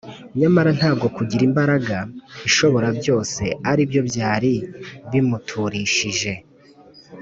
nyamara ntabwo kugira imbaraga ishobora byose ari byo byari bimuturishije